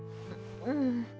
うん。